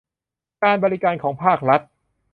การบริการของภาครัฐ